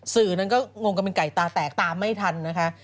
สื่อนั้นก็งงกันเป็นไก่ตาแตกตามไม่ทันนะคะ